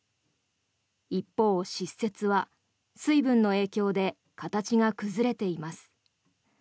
一方、湿雪は水分の影響で形が崩れています。